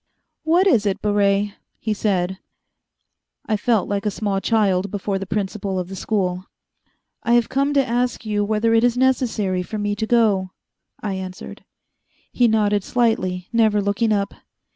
"What is it, Baret?" he said I felt like a small child before the principal of the school. "I have come to ask you whether it is necessary for me to go," I answered. He nodded slightly, never looking up.